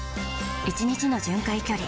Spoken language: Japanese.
１日の巡回距離